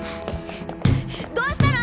どうしたの？